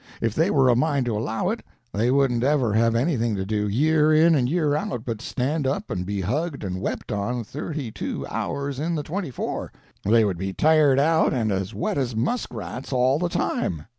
If they were a mind to allow it, they wouldn't ever have anything to do, year in and year out, but stand up and be hugged and wept on thirty two hours in the twenty four. They would be tired out and as wet as muskrats all the time.